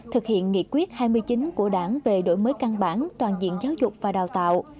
thực hiện nghị quyết hai mươi chín của đảng về đổi mới căn bản toàn diện giáo dục và đào tạo